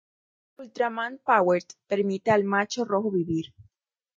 Ultraman Powered permite al macho rojo vivir.